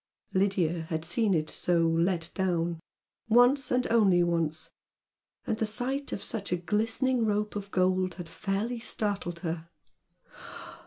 Lydia had seen it so "let down," once, and only once, and the sight of such a glistening rope of gold had fairly startled her.